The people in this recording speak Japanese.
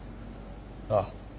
ああ。